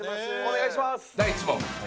第１問。